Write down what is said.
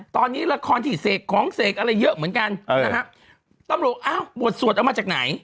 ตอนนี้ละครที่เสกของเสกอะไรเยอะเหมือนกันนะฮะตำรวจอ้าวบทสวดเอามาจากไหน